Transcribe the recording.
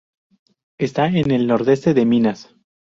Está en el nordeste de Minas.